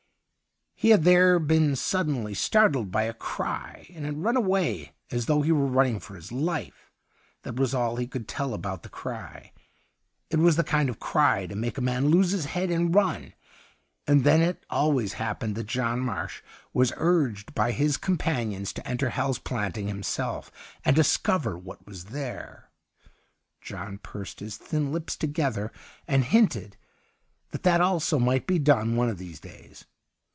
He had there been suddenly startled by a cry, and had run away as though he were running for his life. That was all he could tell about the cry — it was the kind of cry to make a 133 THE UNDYING THING man lose his head and run. And then it always happened that John Marsh was urged by his companions to enter Hal's Planting himself, and discover what was there. John pursed his thin lips together, and hinted that that also might be done one of these days.